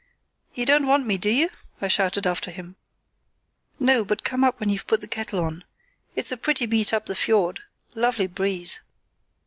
"You don't want me, do you?" I shouted after him. "No, but come up when you've put the kettle on. It's a pretty beat up the fiord. Lovely breeze."